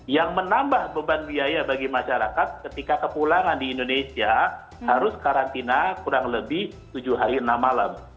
yang menambah beban biaya bagi masyarakat ketika kepulangan di indonesia harus karantina kurang lebih tujuh hari enam malam